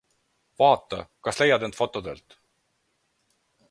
Vaata, kas leiad end fotodelt!